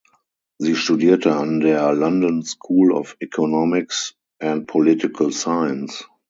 Sie studierte an der London School of Economics and Political Science.